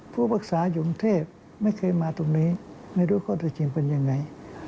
ผู้ปรึกษาอยู่กรุงเทพไม่เคยมาตรงนี้ไม่รู้ข้อเท็จจริงเป็นยังไง